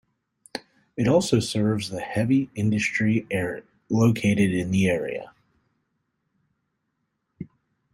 It also serves the heavy industry located in the area.